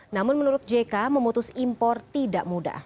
namun menurut jk memutus impor tidak mudah